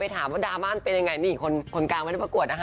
ถามว่าดราม่านเป็นยังไงนี่คนกลางไม่ได้ประกวดนะคะ